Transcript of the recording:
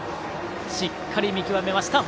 しっかり見極めました。